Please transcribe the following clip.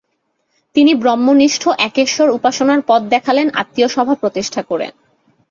তিনি ব্রহ্মনিষ্ঠ একেশ্বর উপাসনার পথ দেখালেন আত্মীয় সভা প্রতিষ্ঠা করে।